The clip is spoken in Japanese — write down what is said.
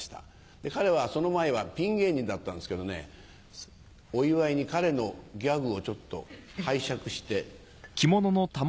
で彼はその前はピン芸人だったんですけどねお祝いに彼のギャグをちょっと拝借して。